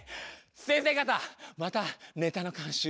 先生方またネタの監修